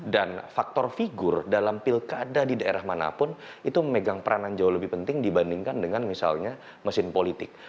dan faktor figur dalam pilkada di daerah manapun itu memegang peranan jauh lebih penting dibandingkan dengan misalnya mesin politik